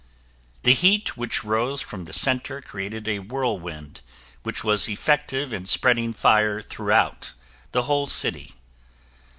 The heat which rose from the center created a whirlwind which was effective in spreading fire throughout the whole city.